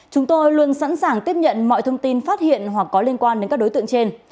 chúng tôi luôn sẵn sàng tiếp nhận mọi thông tin phát hiện hoặc có liên quan đến các đối tượng trên